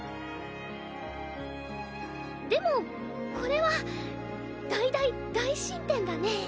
でもこれは大大大進展だね。